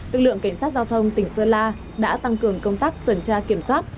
lực lượng cảnh sát giao thông tỉnh sơn la đã tăng cường công tác tuần tra kiểm soát